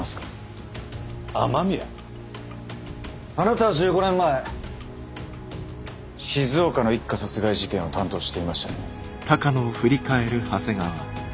あなたは１５年前静岡の一家殺害事件を担当していましたね。